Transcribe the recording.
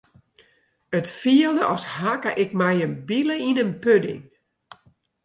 It fielde as hakke ik mei in bile yn in pudding.